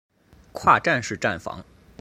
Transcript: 跨站式站房。